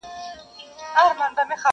ستا د مخ د سپین کتاب پر هره پاڼه,